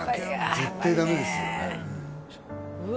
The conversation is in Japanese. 絶対ダメですよねうわ